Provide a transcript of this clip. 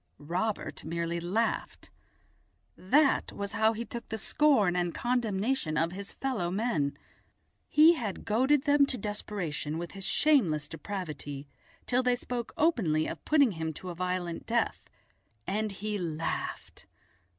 Robert merely laughed. That was how he took the scorn and condemnation of his fellow men. He had goaded them to desperation with his shameless depravity till they spoke openly of putting him to a violent death, and he laughed.